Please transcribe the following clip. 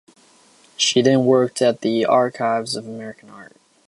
She then worked at the Archives of American Art.